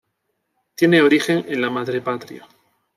Tiene origen en la Madre patria.